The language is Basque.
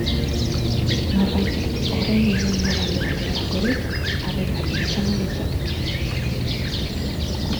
Norbaitek orain egingo balu horrelakorik harrigarria izango litzateke.